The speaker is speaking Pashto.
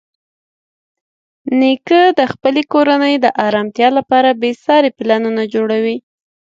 نیکه د خپلې کورنۍ د ارامتیا لپاره بېساري پلانونه جوړوي.